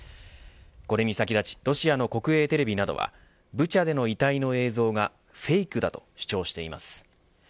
これに先立ちロシアの国営テレビなどはブチャでの遺体の映像がフェイクだと主張しています。